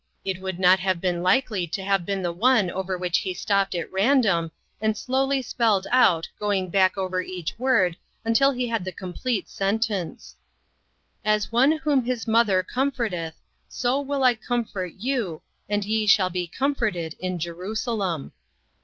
It would not have been likely to have been the one over which he stopped at random, and slowly spelled out, going back over each word until he had the sen tence complete :" As one whom his mother comforteth, so will I comfort you, and ye shall be comforted in Jerusalem."